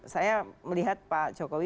saya melihat pak jokowi